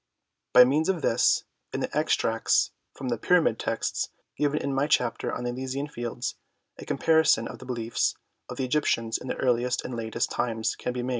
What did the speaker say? By means of this and the extracts from the Pyramid Texts given in my chapter on the Elysian Fields a comparison of the beliefs of the Egyptians in the earliest and latest times can be made.